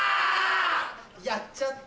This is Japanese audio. やっちゃった！